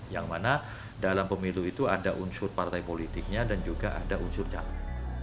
yang mana dalam pemilu itu ada unsur partai politiknya dan juga ada unsur caleg